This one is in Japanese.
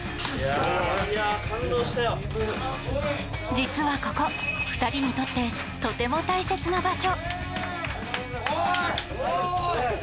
実はここ２人にとってとても大切な場所。